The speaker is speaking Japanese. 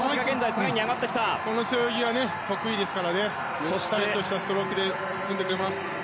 背泳ぎは得意ですからゆったりとしたストロークで進んでくれます。